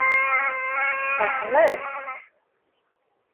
Ferḥeɣ-as.